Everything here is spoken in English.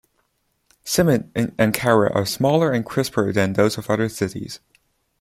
Simit in Ankara are smaller and crisper than those of other cities.